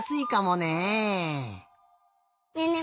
ねえねえ